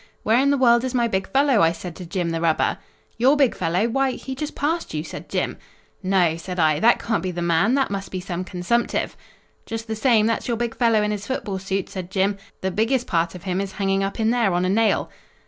'Where in the world is my big fellow?' I said to Jim the rubber. "'Your big fellow? Why, he just passed you,' said Jim. "'No,' said I, 'that can't be the man; that must be some consumptive.' "'Just the same, that's your big fellow in his football suit,' said Jim. 'The biggest part of him is hanging up in there on a nail.'